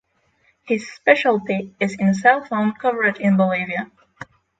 His specialty is in cell phone coverage in Bolivia.